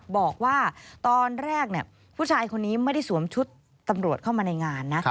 บอกว่าตอนแรกผู้ชายคนนี้ไม่ได้สวมชุดตำรวจเข้ามาในงานนะ